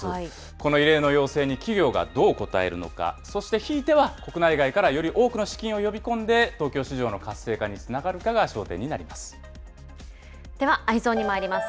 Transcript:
この異例の要請に、企業がどう応えるのか、そしてひいては国内外からより多くの資金を呼び込んで東京市場の活性化につながるかがでは、Ｅｙｅｓｏｎにまいります。